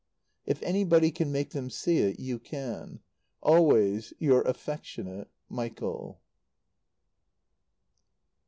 If anybody can make them see it, you can. Always your affectionate, MICHAEL.